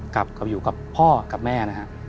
กับอยู่กับพ่อกับแม่นะฮะ